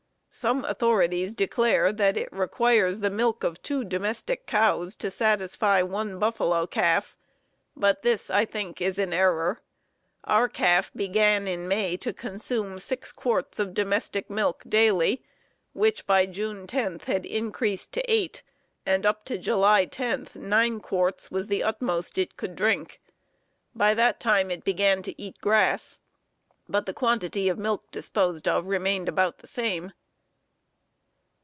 Some authorities declare that it requires the milk of two domestic cows to satisfy one buffalo calf, but this, I think, is an error. Our calf began in May to consume 6 quarts of domestic milk daily, which by June 10 had increased to 8, and up to July 10, 9 quarts was the utmost it could drink. By that time it began to eat grass, but the quantity of milk disposed of remained about the same.